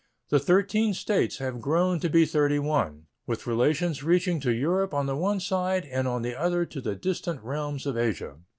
The thirteen States have grown to be thirty one, with relations reaching to Europe on the one side and on the other to the distant realms of Asia.